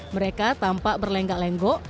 mereka tampak berlenggak lenggok